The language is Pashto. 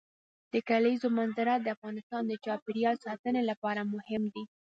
د کلیزو منظره د افغانستان د چاپیریال ساتنې لپاره مهم دي.